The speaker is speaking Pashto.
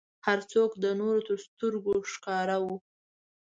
هر څوک د نورو تر سترګو ښکاره و.